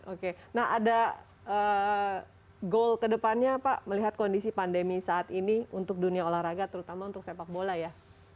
oke nah ada goal ke depannya pak melihat kondisi pandemi saat ini untuk dunia olahraga terutama untuk sepak bola ya